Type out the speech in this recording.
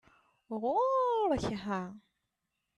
Ɣuṛ-k ha!